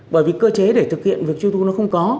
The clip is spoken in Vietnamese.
bởi vì cơ chế để thực hiện việc truy thu nó không có